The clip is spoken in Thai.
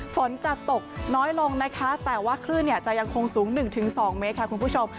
ฝนจะตกน้อยลงนะคะแต่ว่าคลื่นจะยังคงสูง๑๒เมตรค่ะคุณผู้ชม